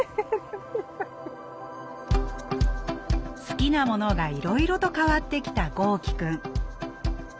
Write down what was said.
好きなものがいろいろと変わってきた豪輝くん。